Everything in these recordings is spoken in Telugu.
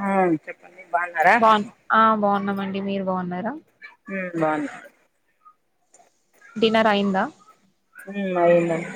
ఆ చెప్పండి బాగున్నారా బాగు ఆ బాగున్నామండి మీరు బాగున్నారా హు బాగున్నాం డిన్నర్ అయిందా హుమ్ అయ్యింది అండి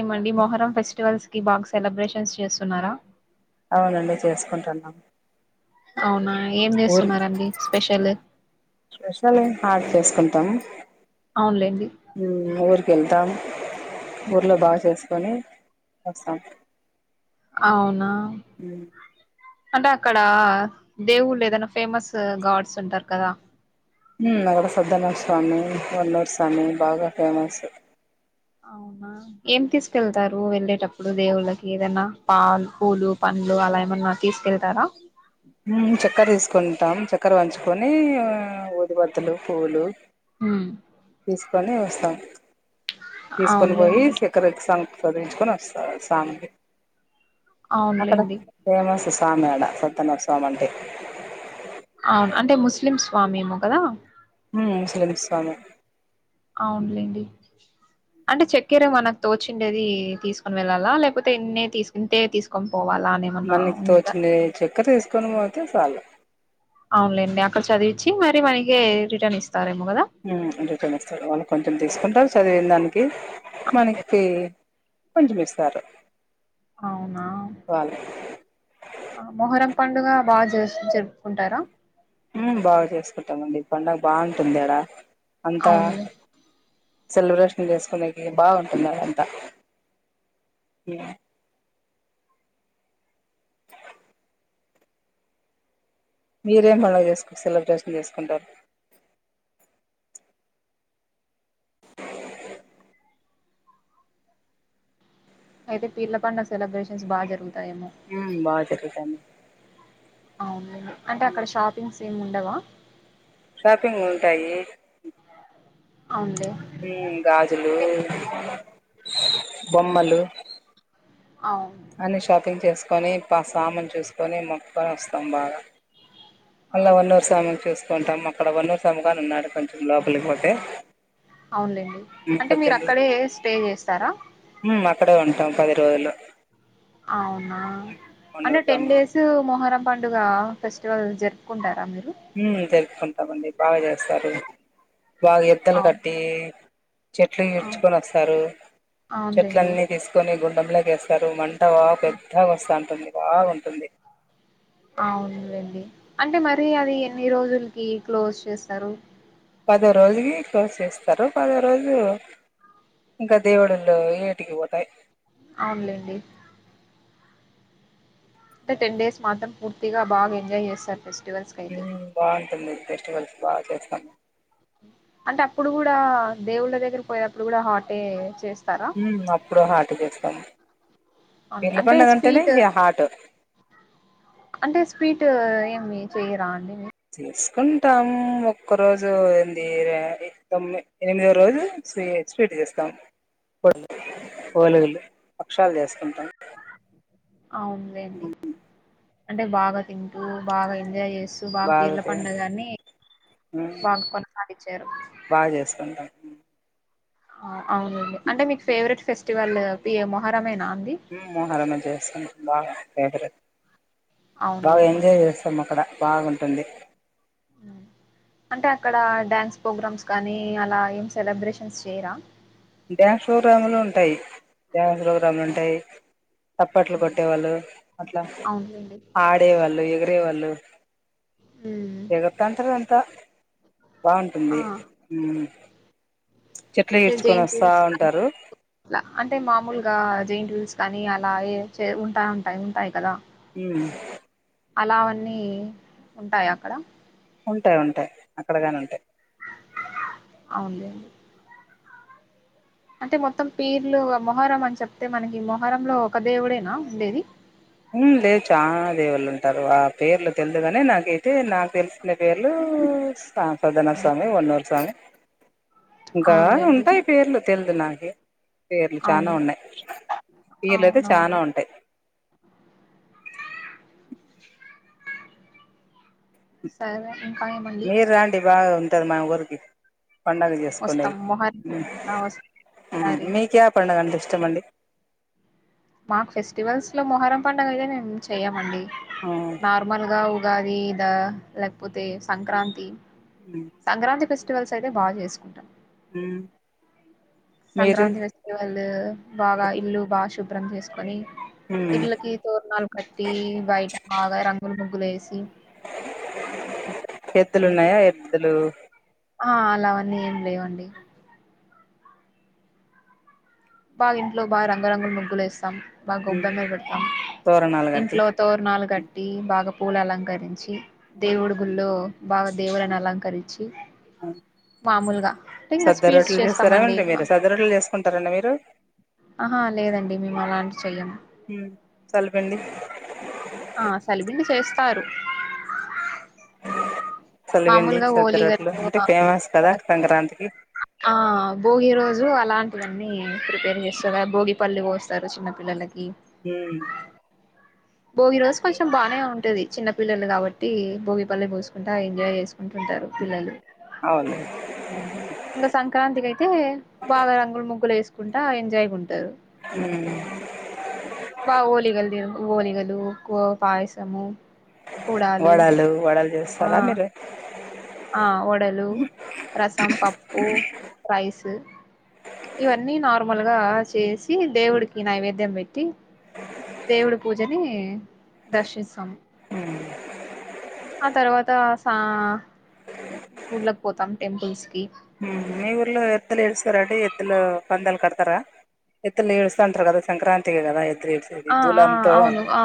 ఏమండి మొహరం ఫెస్టివల్స్ కి బాగా సెలబ్రేషన్స్ చేస్తున్నారా అవునండి చేసుకుంటున్నాము అవునా ఏం చేస్తున్నండి స్పెషల్ సుకుంటాము అవునులేండి ఉమ్ ఊరికి వెళ్తాం ఊర్లో బాగా చేసుకొని వస్తాం అవునా ఉ అంటే అక్కడ దేవుళ్ళు ఏదైనా ఫేమస్ గాడ్స్ ఉంటారు కదా హు అక్కడ సద్దన స్వామి వన్నూరు స్వామి బాగా ఫేమస్ అవునా ఏం తీసుకెళ్తారు వెళ్ళేటప్పుడు దేవుళ్ళకి ఏదైనా పాలు పూలు పండ్లు అలా ఏమన్నా తీసుకెళ్తారా ఉమ్ చక్కర తీసుకుంటాం చక్కర వంచుకొని ఊదిబత్తూలు పూవ్వులు హు తీసుకొని వస్తాం తీసుకొని పోయి అవునులేండి చక్కర ఇచ్చాం చదివించుకొని వస్తా స్వామికి అక్కడ అవునులేండి ఫేమస్ అస్ కామెడ సత్తన్న స్వామి అంటే అవును అంటే ముస్లిం స్వామి ఏమో కదా ఉమ్ ముస్లిమ్స్ స్వామే అవునులేండి అంటే చక్కెర మనకు తోచిండేది తీసుకొని వెళ్ళాలా లేకపోతే ఇన్నే తీసుకు ఇంతే తీసుకోన్ మనకి తోచినది ఇచ్చి కథ తీసుకొని పోతే చాలు అవునులేండి అక్కడ చదివిచ్చి మరి మనకి రిటర్న్ ఇస్త హు అంటే కొన్ని ఇస్తారు వాళ్లకు కొన్ని కొన్ని తీసుకుంటారు చదివిన దానికి అంతే మనకి కొంచెం ఇస్తారు అవునా వాళ్ళు ఆ మొహరం పండుగ బాగా చేసి జరుపుకుంటారా ఉమ్ బాగా చేసుకుంటామండి ఈ పండగ బాగుంటుంది ఆడా అంతా అవునులే సెలబ్రేషన్ చేసుకోడానికి బాగుంటుంది ఆడా అంతా మీరేం మళ్ళా చేసుకో సెలబ్రేషన్ చేసుకుంటారు అయితే పీర్ల పండగ సెలబ్రేషన్స్ బాగా జరుగుతు ఉమ్ బాగా జరుగుతాయి అవును అన్ అంటే అక్కడ షాపింగ్స్ ఏముం ఉండవా షాపింగ్ ఉంటాయి అవునులే గాజులు బొమ్మలు అవు అన్ని షాపింగ్ చేసుకొని పా సామును చూసుకొని మొక్కకొని వస్తాం బాగా అలా అవును [unintelligible] సామీ [unintelligible] కొంతం అక్కడ వన్న [unintelligible] సమగాను ఉన్నాడు కొంచెం లోపలికి ఒకటి అవునులేండి అంటే మీరు అక్కడే స్టే చేస్తారా మ్మ్ అక్కడే ఉంటాం పది రోజులు అవునా అంటే వన్నూరు టెన్ స్వామి డేస్ మొహరం పండుగ ఫెస్టివల్ జరుపుకుంటారా మీరు హ్మ్ జరుపుకుంటామండి బాగా చేస్తారు బాగా ఎద్దలు అవును కట్టి చెట్లు అవును ఎడ్చుకొని వస్తారు అవునులేండి చెట్లన్నీ తీసుకొని గు లా [unintelligible] వేస్తారు మం అ పెద్దగోస్తాంది ఉంటుంది [unintelligible] బాగాగుంటుంది అవునులెండి అంటే మరి అది ఎన్ని రోజులకి క్లోజ్ చేస్తారు పదో రోజుకి క్లోజ్ చేస్తారు పదో రోజు ఇంకా దేవుడులు ఎటికి పోతాయి అవునులేండి అంటే టెన్ డేస్ మాత్రం పూర్తిగా బాగా ఎంజాయ్ చేస్తారు ఫెస్టివల్స్ కయితే మ్మ్ [unintelligible] ఫెస్టివల్స్ బాగా చేస్తాం అంటే అప్పుడు కూడా దేవుళ్ళ దగ్గర పోయనప్పుడు కూడా హాటే చేస్త అప్పుడు హాట్ చేస్తాం అవును పీర్ల పండగ అంటే నే స్వీట్ హాట్ అంటే స్వీట్ ఏమి చెయరా అండి మీరు చేసుకుంటాము ఒక్క రోజు ఏంది తొమ్మి ఎనిమిదో రోజు స్వీ స్వీట్ చేస్తాము ఓలుగులు పక్షాలు చేసుకుంటాం అవునులేండి అంటే బాగా తింటూ బాగా ఎంజాయ్ చే సుభాగ పీర్ల బాగా పడుగాని బాగా కొనసాగించారు బాగా చేసుకుంటాం అవునండి అంటే మీకు ఫేవరెట్ ఫెస్టివల్ పి మొహరమేనా అండి మోహరమ చేస్తాను బా [unintelligible] బాగా అవునులేండి ఎంజాయి చేస్తాం అక్కడ బాగుంటుంది ఉమ్. అంటే అక్కడ డ్యాన్స్ ప్రోగ్రామ్స్ కానీ అలా ఏం సెలబ్రేషన్స్ చేయరా డ్యాన్స్ ప్రోగ్రాములు ఉంటాయి డ్యాన్స్ ప్రోగ్రాములు ఉంటాయి తప్పట్లు ఉమ్. కొట్టేవాళ్ళు అట్లా అవునులేండి ఆడేవాళ్ళు ఇగ అే వాళ్ళు మ్మ్ ఎగురతంటారు అంత్ త్త బాగుంటుంది ఉమ్ అటే జెయింట్విల్స్ ఉంటారు ఇట్ల అంటే మామూలు ఇంకా జెంట్ విల్స్ కానీ అలాగే ఉంటా ఉంటాయి ఉంటాయి కదా హు అలావన్నీ ఉంటాయ అక్కడ ఉంటాయ్ ఉంటాయ్ అక్కడ గానీ ఉంటాయి అవునులేండి అంటే మొత్తం పీర్లు మొహరం అని చెప్తే మనకి మొహరంలో ఒక దేవుడేనా ఉండేది ఉమ్ లేదు చాలా దేవుళ్ళు ఉంటారు ఆ పేర్లు తెలిదుగానే నాకైతే నాకు తెలిసిన పేర్లు సాప్రదన స్వామి వన్నూరు స్వామి ఇంకా అవునులేండి ఉంటాయి పేర్లు తెలిద్ దూనకే పేర్లు చానా అవును ఉన్నాయి పీర్లు అయితే చానా అవునవును ఉంటాయి సరే ఇంకా ఏమండి మీరు అండి బాగా ఉమ్ టార్ మావూరికి వస్తాం పండగచేసుకుండేకి మొహర్ ఆ ఉమ్ వస్తారి మీక్యా పండగ అంటె ఇష్టం ఇష్టం మండి మాకు ఫెస్టివల్స్ లో మొహరం పడుగతే మేము చెయమండి నార్మల్ గా ఉ ఉగాది ద లేకపోతే సంక్రాంతి సంక్రాంతి ఫెస్ట్ స్టివల్స్ అయితే బా చేసుకుంటా మీరు సంక్రాంతి ఫెస్టివల్ బాగా ఇల్లు బా శుభ్రం చేసుకొని ఇళ్ళకి తోరణాలు కట్టి బయట బాగా రంగులు ముగ్గులు వేసి ఎద్దులు ఉన్నాయా ఎద్దులు ఆ అలావన్నీ ఏం లేవండి బా ఇంట్లో బాగా రంగరంగులు ముగ్గులు వేస్తాం బాగా గొబ్బెమ్మలు పెడతాం తోరణాలు కట్టి ఇంట్లో తోరణాలు కట్టి బాగా పూలలంకరించి దేవుడుగుళ్ళో బాగా దేవులను అలంకరించి మామూలుగా అంటే ఇంకా సద్ద స్పీడ్స్ రోట్లు చేస్తామండి చేస్తారామండి మీరు సద్ద రోట్లు చేసుకుంటారండి మీరు ఆహా లేదండి మేము అలాంటి చెయ్యము చల పిండి ఆ సలిబిండి చేస్తారు చలిపిండి మామూలుగా సద్ద రొట్లు హోలీగలు అంటే ఫేమస్ కదా సంక్రాంతికి ఆ భోగి రోజు అలాంటివన్నీ ప్రిపేర్ చేస్తారా భోగిపళ్లు పోస్తార చిన్న పిల్లలకి హ్మ్ భోగి రోజు కొంచెం బాగానే ఉంటది చిన్న పిల్లలు కాబట్టి భోగిపల్లి పోోసుకుంటా ఎంజాయ్ చేసుకు అంటుంటారు పిల్లలు అవును ఇంకా సంక్రాంతికి అయితే బాగా రంగులు ముగ్గులు వేసుకు కుంట ఎంజాయ్ ఉంటా ఉమ్ బా ఓలి ది బోలిగ డు పాయసము కూడాలు వడలు వడలు ఆ చేస్తారా మీరు ఆ వడలు రసం పప్పు రైస్ ఇవన్నీ నార్మ లుగా చేసి దేవుడికి నైవేద్యం పె టి దేవుడు పూజ ఇ దర్శిస్తాము ఉమ్ ఆ తర్వా త సా ఊళ్ళకి పోతాం టెంపుల్స్ కి హ్మ్ ఇ ఊర్లో ఎత్ద్దలు ఇల్స్తార అడి ఎద్లులు పందలు కడతార ఎత్తులు ఇస్తాంతారు కదా సంక్రాంతి కదా ఎ ఆ ఆ అవును ఆ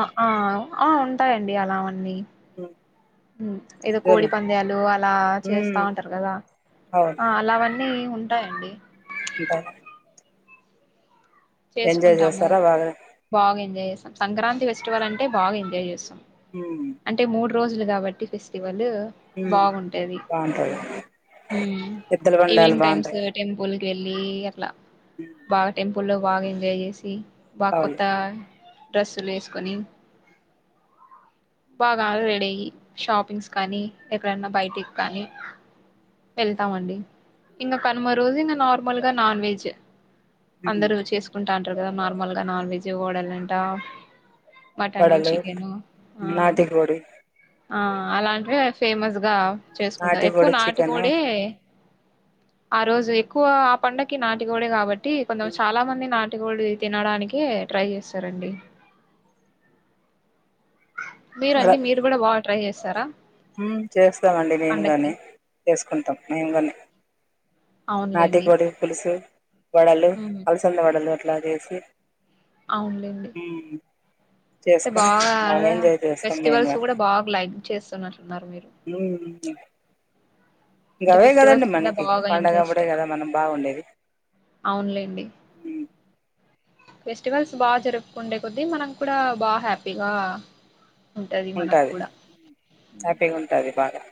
ఆ ఉంటాయంండి అలా ఉ అ ఉమ్ ఏదో కోడి దూలం పంద్యాలు అలా చేస్తా ఉమ్ ఉంటారు కదా ఆ అలావన్నీ ఉ ా అండి బా చేసుకుంటాము చేస్తారా బాగా బాగా ఎంజాయ్ చేసాం సంక్రాంతి ఫెస్టివల్ంటే బాగా ఎంాయ్ చేస్తుంది హ రోజులు కాట్టి ఫెస్టివల్ ళ బాగుంటేది బాగుంటాయి ఎద్దల బండాలు ఈవినింగ్ టైమ్స్ బాగుంటాయి టెంపుల్ వెళ్ళి ఎరలా బాగా టెం పల బాగా ఎంజాయ్ చేసి అవులు బకుత్తా డ్రస్సులు వేసుకొని బాగా రెడీ అయ్యి షాపింగ్స్ కానీ ఎక్కడన్నా బయటికి కానీ వెళ్తామండి ఇంకా కనుమ రోజు ఇంకా నార్మల్గా నాన్ వెజ్ అందరు చేసుకుంట్ అంటారు కదా నార్మల్గా నాన్ వెజ్ ఓడలుంట మటను చికెను ఆ నాదిపోడీ ఆ అలాంటివి ఫేమస్ ఇగా చేసుకుంటారు ఎక్కువ నాటికోడి చికెను నాటికోడి ఆ రోజు ఎక్కువ ఆ పండకి నాటిగోడే కాబట్టి టీ కొంచెం హ్మ్. చాలా మంది నాట్ టికోడి తినడానికి ట్రై చేస్తారండి వడ మీరండి మీరు కూడా బాగా ట్రై చేస్త్ సర ఉమ్ చేస్తామండి మేము కాగానీ చేసుకో కుంటాం మేము కానీ నాటి అవునులేండి కోడి పులుసు వడలు ఉమ్ అలసంద వడలు అట్లా చేసి అవునులేండి ఉమ్ అంటే చేసుకొని బాగా ఎంజాయ్ చేస్తాం మేము ఫెస్టివల్స్ కూడా బాగా లైక్ చేస్తున్నట్లున్నారు మీరు అంటే ఇంగవే కదండి ఫెస్టివల్స్ మీద మనకి బాగా ఇంట్రెస్ట్ పండగఅపుడే కదా మనం బాగుండేది అవునులేండి. ఫెస్టివల్స్ బాగా జరుపుకుండే కొద్దీ మనం కూడా బా హ్యాపీగా ఉంటది మనకు ఉంటాది కూడా. హ్యాపీగా ఉంటాది బాగా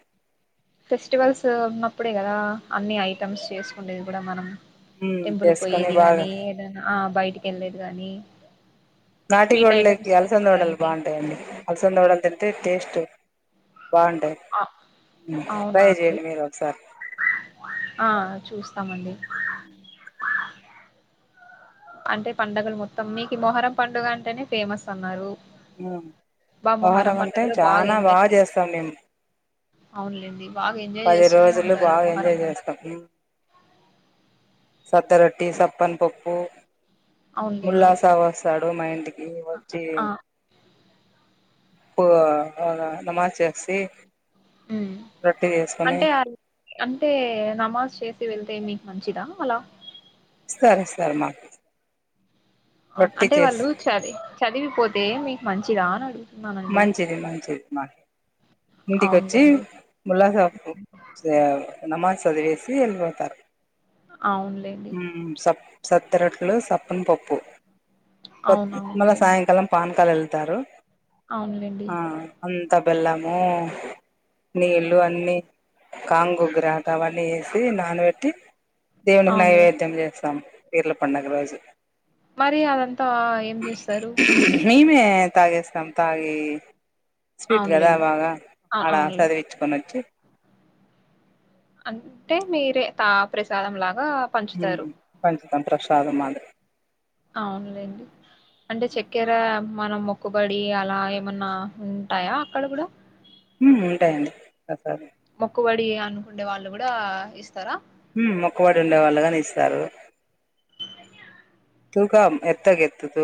ఫెస్టివల్స్ ఉన్నప్పుడే కదా అన్ని ఐటమ్స్ చేసుకుండేది కూడా మనం ఉమ్ టెంపుల్ చేసుకొని పోయేది బాగా గానీ ఏదనా ఆ బయట ఇంటికెళ్లేది కాగానీ నాటి కోడి లెకి అలసంద వడలు బాగుంటాయండి అలసంద వడలు తింటే టేస్ట్ బాగుంటయి అ అవునా ట్రై అండి చెయండి మీరు ఒకసారి ఆ చూస్తామండి అంటే పండుగలు మొత్తం మీకు మొహరం పండుగ అంటేనే ఫేమస్ అన్నారు ఉమ్ బా మొహరం అంటే పండుగలో చానా బాగా చేస్తాం మేము అవునులేండ్ పది రోజులు బాగా ఎంజాయ్ పండగ. చేస్తాం సద్ద రొట్టి సప్పన్ పప్పు ముల్లా అవునులేండి. సావాసాలు ఈ అ వచ్చి ఆ! ప్పుగా నమజ్ చెసి హ్మ్. రొట్టే చేసుకుని అయితే నమాజ్ చేసి వెళ్తే మీకు మంచిదా అలా ఇస్తారు ఇస్తారు మాకు రొట్టె అంటే వాళ్ళు చేసి చర చర చదివిపోతే మీకు మంచిదా అని అడుగు మంచిది మంచిది మంచి ఇంటికి వచ్చి అవునులేండి. ముల్లాస నమాజ్ వదిలేసి వెళ్ళిపోతారు అవునులేండి. స సత్తరట్లు సప్పన్ పప్పు ప మళ్ళ అవునవునులేండి. సాయంకాలం పానాకం క్కలు వెళ్తారు అవునులేండి కొత్త బెల్లము నీళ్ళు అన్నీ కాంగు గ్రాకా అవన్నీ చేసి నానబెట్టి అవును. నైవేద్యం చేస్తాము పీర్ల పండగ రాజు మరి అదంతా ఏం చేస్తరు మేమే తాగేస్తాం తాగిే స్వీట్ కదా అవునులేండి. బాగా అ అలా అవునులే. చదివిచ్చుకొని వచ్చి అంటే మీరే తా ప్రసాదంలాగ ఆ పంచుతారు త ప్రసాదం మాదిరి అవునులేండి అంటే చక్కెర మనం మొక్కుబడి అలా ఏమన్నా ఉంటాయా అక్కడ కూడా ఉమ్ ఉంటాయండి మొక్కుబడి అనుకుండే వాళ్ళు కూడా ఇస్తారా మొక్కవాడి ఉండే వాళ్ళుగాని ఇస్తారు తూగా ఎత్తగ ఎతు తూ